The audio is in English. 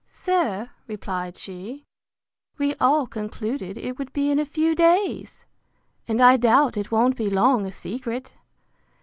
Sir, replied she, we all concluded it would be in a few days! and I doubt it won't be long a secret.